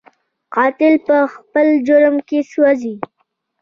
قاتل په خپل جرم کې سوځي